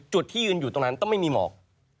จุดที่ยืนอยู่ตรงนั้นต้องไม่มีหมอก